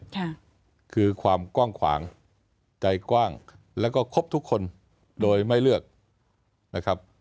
ค่ะคือความกว้างขวางใจกว้างแล้วก็ครบทุกคนโดยไม่เลือกนะครับ